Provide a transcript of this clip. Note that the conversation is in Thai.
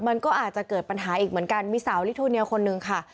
มันก็อาจจะเกิดปัญหาอีกเหมือนกันมีสาวลิโทเนียลคนหนึ่งค่ะ